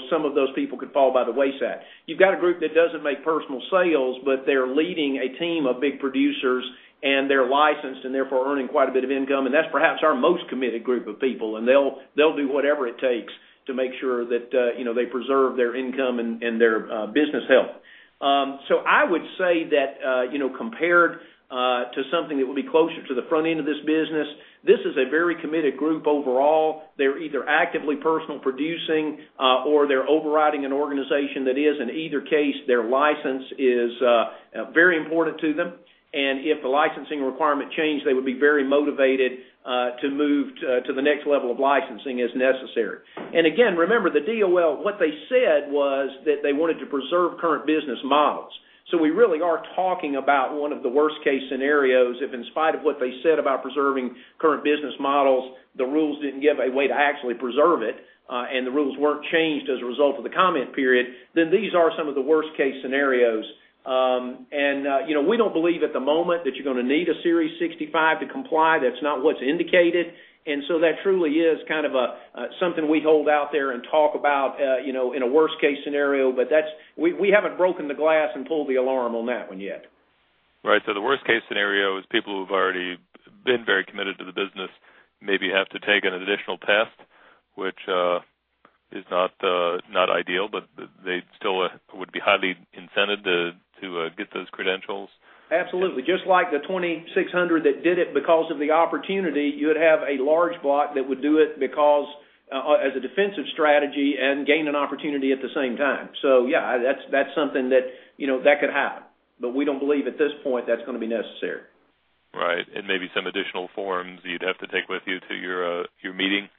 some of those people could fall by the wayside. You've got a group that doesn't make personal sales, but they're leading a team of big producers. They're licensed and therefore earning quite a bit of income. That's perhaps our most committed group of people. They'll do whatever it takes to make sure that they preserve their income and their business health. I would say that compared to something that would be closer to the front end of this business, this is a very committed group overall. They're either actively personal producing, or they're overriding an organization that is. In either case, their license is very important to them. If the licensing requirement changed, they would be very motivated to move to the next level of licensing as necessary. Again, remember, the DOL, what they said was that they wanted to preserve current business models. We really are talking about one of the worst-case scenarios if, in spite of what they said about preserving current business models, the rules didn't give a way to actually preserve it. The rules weren't changed as a result of the comment period, then these are some of the worst-case scenarios. We don't believe at the moment that you're going to need a Series 65 to comply. That's not what's indicated. That truly is kind of something we hold out there and talk about in a worst-case scenario, but we haven't broken the glass and pulled the alarm on that one yet. Right. The worst-case scenario is people who've already been very committed to the business maybe have to take an additional test, which is not ideal, but they still would be highly incented to get those credentials. Absolutely. Just like the 2,600 that did it because of the opportunity, you would have a large block that would do it as a defensive strategy and gain an opportunity at the same time. Yeah, that's something that could happen. We don't believe at this point that's going to be necessary. Right. Maybe some additional forms you'd have to take with you to your meeting.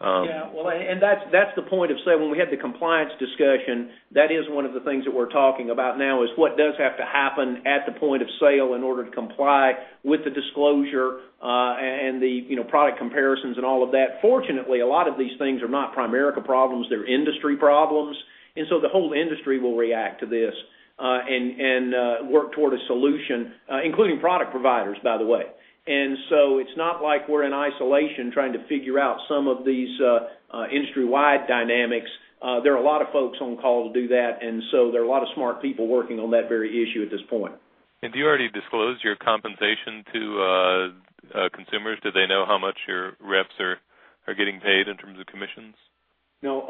That's the point of say, when we had the compliance discussion, that is one of the things that we're talking about now is what does have to happen at the point of sale in order to comply with the disclosure, and the product comparisons and all of that. Fortunately, a lot of these things are not Primerica problems, they're industry problems, the whole industry will react to this, and work toward a solution, including product providers, by the way. It's not like we're in isolation trying to figure out some of these industry-wide dynamics. There are a lot of folks on call to do that, there are a lot of smart people working on that very issue at this point. Do you already disclose your compensation to consumers? Do they know how much your reps are getting paid in terms of commissions? No.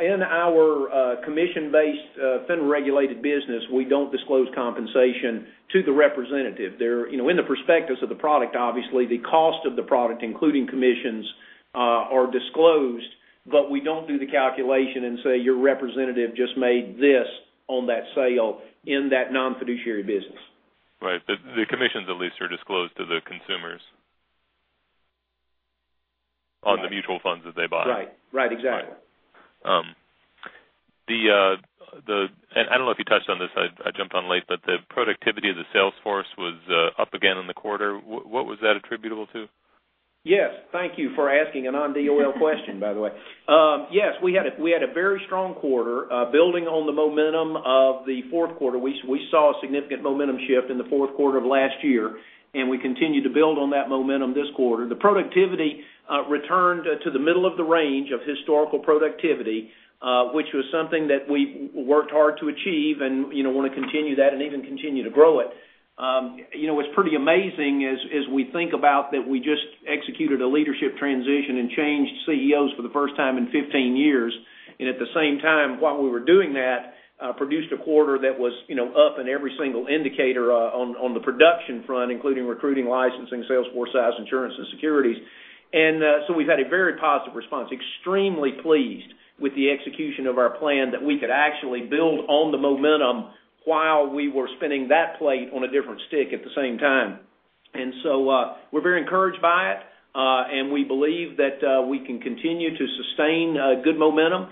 In our commission-based, federally regulated business, we don't disclose compensation to the representative. In the prospectus of the product, obviously, the cost of the product, including commissions, are disclosed, but we don't do the calculation and say, "Your representative just made this on that sale," in that non-fiduciary business. Right. The commissions, at least, are disclosed to the consumers on the Mutual Funds that they buy. Right. Exactly. I don't know if you touched on this, I jumped on late, but the productivity of the sales force was up again in the quarter. What was that attributable to? Yes. Thank you for asking a non-DOL question, by the way. Yes, we had a very strong quarter, building on the momentum of the fourth quarter. We saw a significant momentum shift in the fourth quarter of last year, and we continued to build on that momentum this quarter. The productivity returned to the middle of the range of historical productivity, which was something that we worked hard to achieve and want to continue that and even continue to grow it. What's pretty amazing is we think about that we just executed a leadership transition and changed CEOs for the first time in 15 years, and at the same time, while we were doing that, produced a quarter that was up in every single indicator on the production front, including recruiting, licensing, sales force size, insurance, and securities. We've had a very positive response. Extremely pleased with the execution of our plan that we could actually build on the momentum while we were spinning that plate on a different stick at the same time. We're very encouraged by it. We believe that we can continue to sustain good momentum.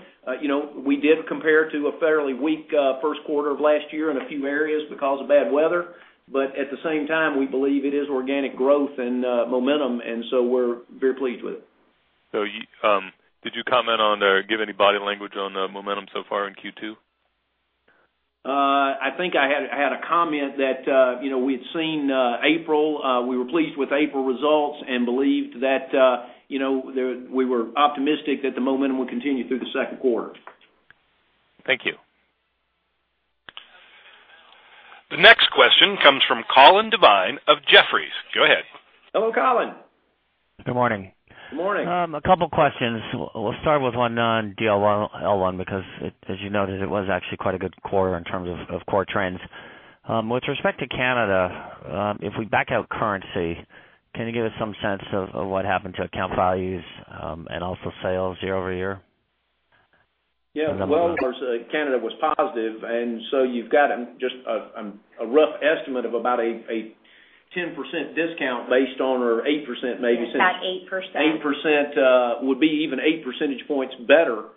We did compare to a fairly weak first quarter of last year in a few areas because of bad weather, but at the same time, we believe it is organic growth and momentum, and so we're very pleased with it. Did you comment on or give any body language on the momentum so far in Q2? I think I had a comment that we had seen April, we were pleased with April results and believed that we were optimistic that the momentum would continue through the second quarter. Thank you. The next question comes from Colin Devine of Jefferies. Go ahead. Hello, Colin. Good morning. Morning. A couple questions. We'll start with one on DOL because, as you noted, it was actually quite a good quarter in terms of core trends. With respect to Canada, if we back out currency, can you give us some sense of what happened to account values, and also sales year-over-year? Yeah. Well, of course, Canada was positive, and so you've got just a rough estimate of about a 10% discount based on or 8% maybe since. Yeah, about 8%. 8% would be even eight percentage points better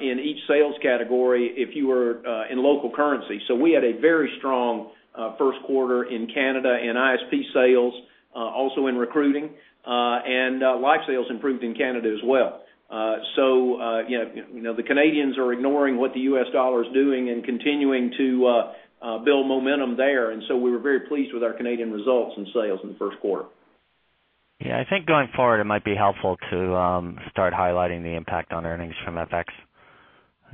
in each sales category if you were in local currency. We had a very strong first quarter in Canada in ISP sales, also in recruiting, and life sales improved in Canada as well. The Canadians are ignoring what the U.S. dollar is doing and continuing to build momentum there. We were very pleased with our Canadian results and sales in the first quarter. Yeah, I think going forward it might be helpful to start highlighting the impact on earnings from FX,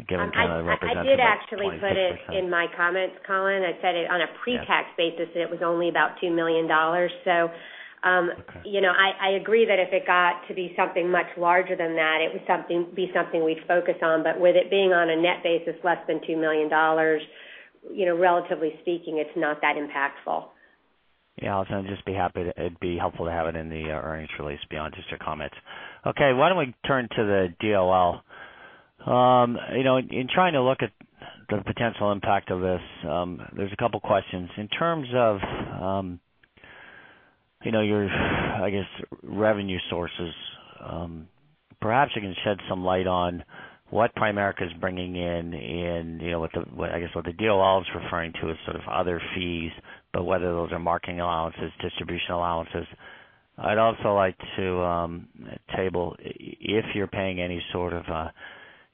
given kind of represents about 26%. I did actually put it in my comments, Colin. I said it on a pre-tax basis, and it was only about $2 million. I agree that if it got to be something much larger than that, it would be something we'd focus on. With it being on a net basis, less than $2 million, relatively speaking, it's not that impactful. Yeah. Alison, it'd be helpful to have it in the earnings release beyond just your comments. Okay, why don't we turn to the DOL? In trying to look at the potential impact of this, there's a couple of questions. In terms of your, I guess, revenue sources, perhaps you can shed some light on what Primerica is bringing in, I guess what the DOL is referring to as sort of other fees, but whether those are marketing allowances, distribution allowances. I'd also like to table if you're paying any sort of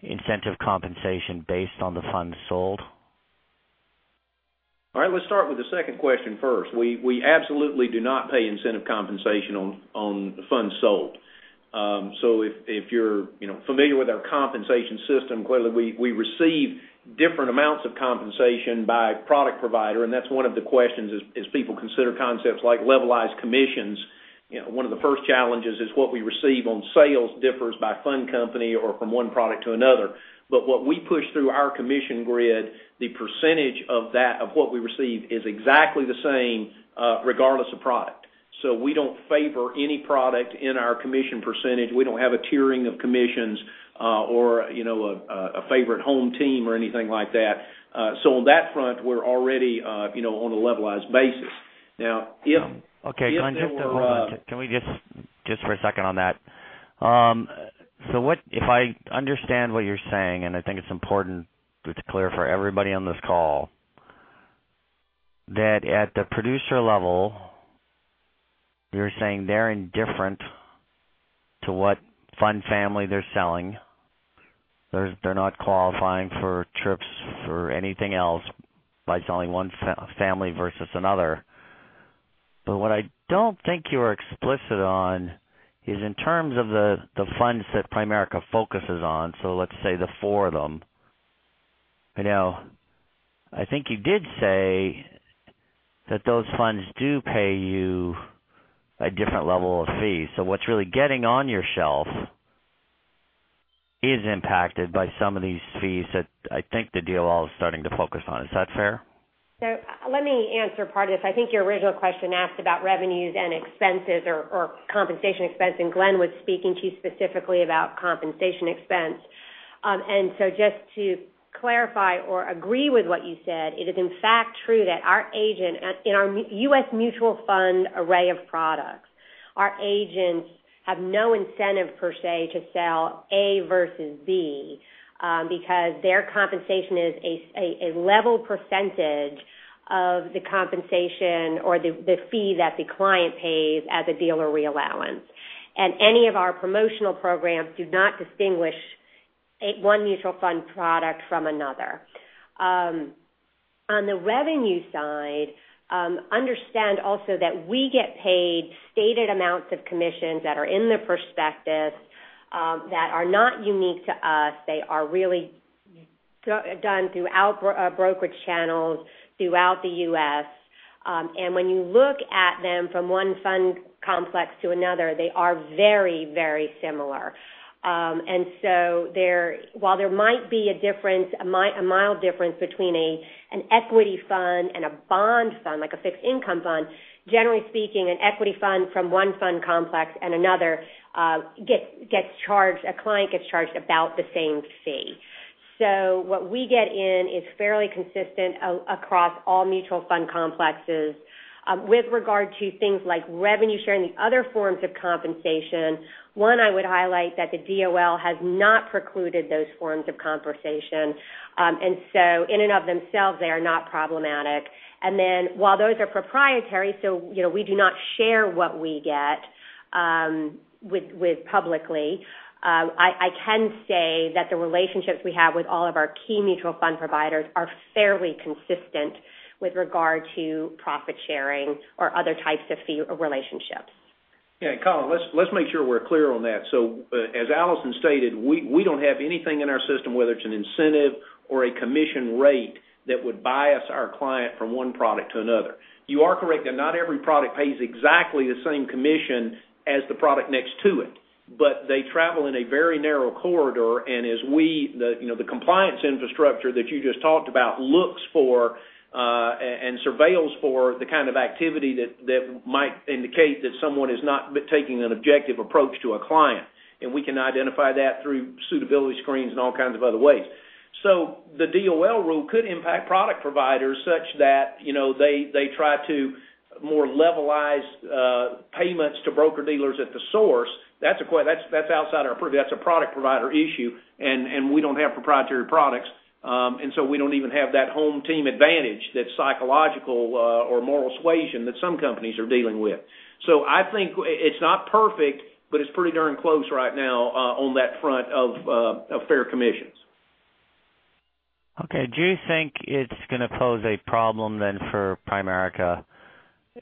incentive compensation based on the funds sold. All right, let's start with the second question first. We absolutely do not pay incentive compensation on the funds sold. If you're familiar with our compensation system, clearly we receive different amounts of compensation by product provider, and that's one of the questions as people consider concepts like levelized commissions. One of the first challenges is what we receive on sales differs by fund company or from one product to another. What we push through our commission grid, the percentage of what we receive is exactly the same, regardless of product. We don't favor any product in our commission percentage. We don't have a tiering of commissions, or a favorite home team or anything like that. On that front, we're already on a levelized basis. Now, if there were- Okay, Glenn, just for a moment on that. If I understand what you're saying, and I think it's important to clear for everybody on this call, that at the producer level, you're saying they're indifferent to what fund family they're selling. They're not qualifying for trips or anything else by selling one family versus another. What I don't think you were explicit on is in terms of the funds that Primerica focuses on. Let's say the four of them. I think you did say that those funds do pay you a different level of fees. What's really getting on your shelf is impacted by some of these fees that I think the DOL is starting to focus on. Is that fair? Let me answer part of this. I think your original question asked about revenues and expenses or compensation expense, and Glenn was speaking to you specifically about compensation expense. Just to clarify or agree with what you said, it is in fact true that our agent in our U.S. mutual fund array of products, our agents have no incentive per se to sell A versus B because their compensation is a level percentage of the compensation or the fee that the client pays as a dealer reallowance. Any of our promotional programs do not distinguish one mutual fund product from another. On the revenue side, understand also that we get paid stated amounts of commissions that are in the prospectus, that are not unique to us. They are really done throughout brokerage channels throughout the U.S. When you look at them from one fund complex to another, they are very similar. While there might be a mild difference between an equity fund and a bond fund, like a fixed income fund, generally speaking, an equity fund from one fund complex and another, a client gets charged about the same fee. What we get in is fairly consistent across all mutual fund complexes. With regard to things like revenue sharing and other forms of compensation, one, I would highlight that the DOL has not precluded those forms of compensation. In and of themselves, they are not problematic. While those are proprietary, we do not share what we get publicly, I can say that the relationships we have with all of our key mutual fund providers are fairly consistent with regard to profit sharing or other types of fee or relationships. Yeah. Colin, let's make sure we're clear on that. As Alison stated, we don't have anything in our system, whether it's an incentive or a commission rate that would bias our client from one product to another. You are correct that not every product pays exactly the same commission as the product next to it, but they travel in a very narrow corridor. As the compliance infrastructure that you just talked about looks for and surveils for the kind of activity that might indicate that someone is not taking an objective approach to a client. We can identify that through suitability screens and all kinds of other ways. The DOL rule could impact product providers such that they try to more levelize payments to broker-dealers at the source. That's outside our purview. That's a product provider issue, and we don't have proprietary products. We don't even have that home team advantage, that psychological or moral suasion that some companies are dealing with. I think it's not perfect, but it's pretty darn close right now on that front of fair commissions. Okay. Do you think it's going to pose a problem then for Primerica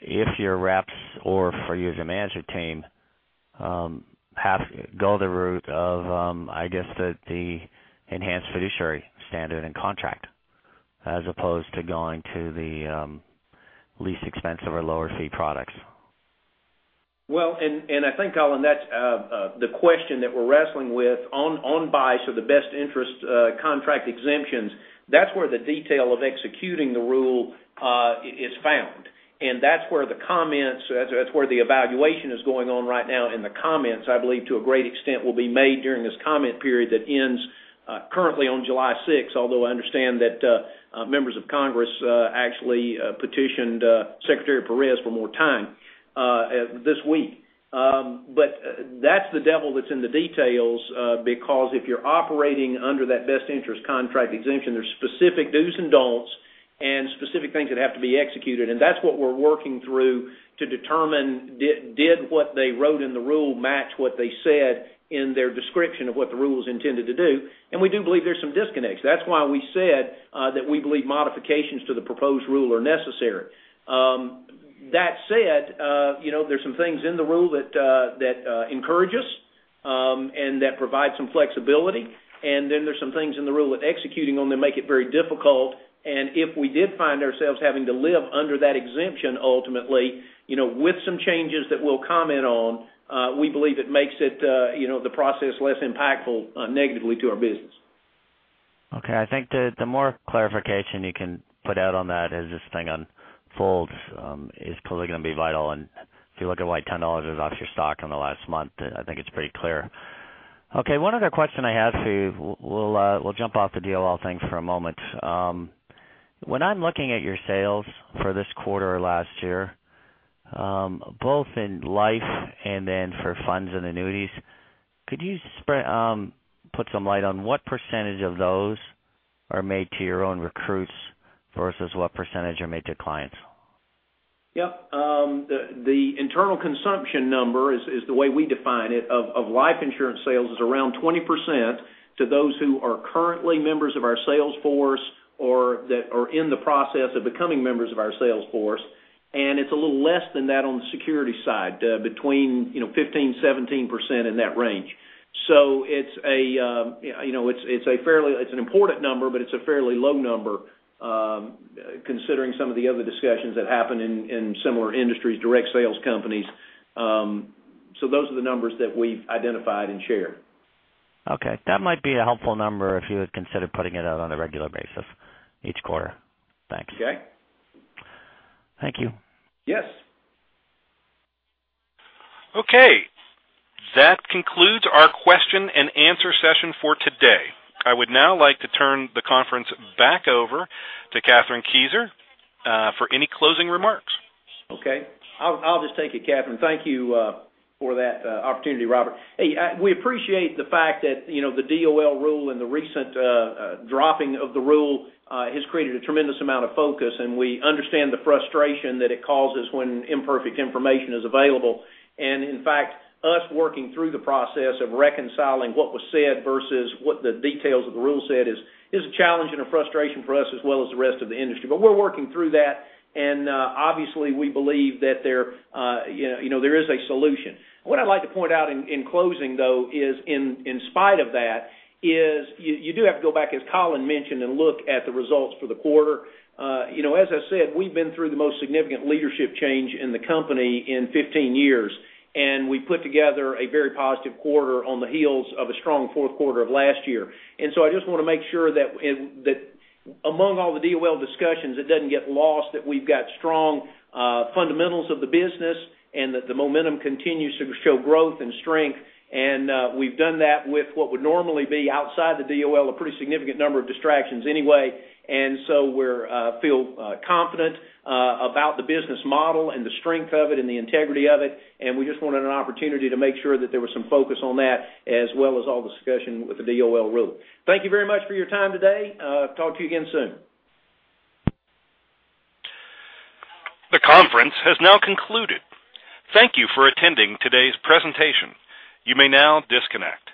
if your reps or for you as a management team, have to go the route of the enhanced fiduciary standard and contract, as opposed to going to the least expensive or lower fee products? I think, Colin, that's the question that we're wrestling with on buys of the Best Interest Contract Exemptions. That's where the detail of executing the rule is found, and that's where the evaluation is going on right now in the comments, I believe to a great extent will be made during this comment period that ends currently on July 6, although I understand that members of Congress actually petitioned Secretary Perez for more time this week. That's the devil that's in the details because if you're operating under that Best Interest Contract Exemption, there's specific dos and don'ts and specific things that have to be executed. That's what we're working through to determine did what they wrote in the rule match what they said in their description of what the rule is intended to do, and we do believe there's some disconnects. That's why we said that we believe modifications to the proposed rule are necessary. That said, there's some things in the rule that encourage us and that provide some flexibility, then there's some things in the rule that executing on them make it very difficult. If we did find ourselves having to live under that exemption ultimately, with some changes that we'll comment on, we believe it makes the process less impactful negatively to our business. Okay. I think the more clarification you can put out on that as this thing unfolds is probably going to be vital, and if you look at why $10 is off your stock in the last month, I think it's pretty clear. Okay, one other question I have for you. We'll jump off the DOL thing for a moment. When I'm looking at your sales for this quarter or last year, both in life and then for funds and annuities, could you put some light on what percentage of those are made to your own recruits versus what percentage are made to clients? Yep. The internal consumption number, is the way we define it, of life insurance sales is around 20% to those who are currently members of our sales force or that are in the process of becoming members of our sales force. It's a little less than that on the security side, between 15%, 17%, in that range. It's an important number, but it's a fairly low number, considering some of the other discussions that happen in similar industries, direct sales companies. Those are the numbers that we've identified and shared. Okay. That might be a helpful number if you would consider putting it out on a regular basis each quarter. Thanks. Okay. Thank you. Yes. Okay. That concludes our question and answer session for today. I would now like to turn the conference back over to Kathryn Kieser for any closing remarks. Okay. I'll just take it, Kathryn. Thank you for that opportunity, Robert. Hey, we appreciate the fact that the DOL rule and the recent dropping of the rule has created a tremendous amount of focus, we understand the frustration that it causes when imperfect information is available. In fact, us working through the process of reconciling what was said versus what the details of the rule said is a challenge and a frustration for us, as well as the rest of the industry. We're working through that, and obviously, we believe that there is a solution. What I'd like to point out in closing, though, is in spite of that is you do have to go back, as Colin mentioned, and look at the results for the quarter. As I said, we've been through the most significant leadership change in the company in 15 years, and we put together a very positive quarter on the heels of a strong fourth quarter of last year. I just want to make sure that among all the DOL discussions, it doesn't get lost that we've got strong fundamentals of the business and that the momentum continues to show growth and strength. We've done that with what would normally be outside the DOL, a pretty significant number of distractions anyway. We feel confident about the business model and the strength of it and the integrity of it, and we just wanted an opportunity to make sure that there was some focus on that, as well as all the discussion with the DOL rule. Thank you very much for your time today. Talk to you again soon. The conference has now concluded. Thank you for attending today's presentation. You may now disconnect.